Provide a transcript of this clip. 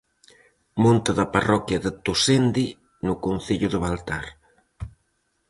Monte da parroquia de Tosende, no concello de Baltar.